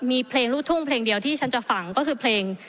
มีเพลงลูกทุ่งเพลงเดียวที่ฉันจะฟังก็คือเพลง